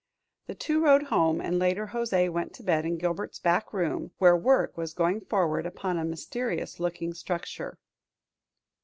The two rode home, and later José went to bed in Gilbert's back room, where work was going forward upon a mysterious looking structure.